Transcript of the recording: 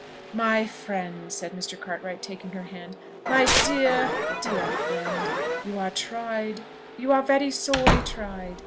"My friend!" said Mr. Cartwright, taking her hand; "my dear, dear friend! you are tried, you are very sorely tried.